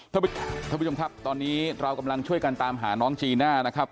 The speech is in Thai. ท่านผู้ชมครับตอนนี้เรากำลังช่วยกันตามหาน้องจีน่านะครับ